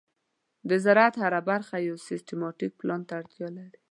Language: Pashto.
د زراعت هره برخه یو سیستماتيک پلان ته اړتیا لري.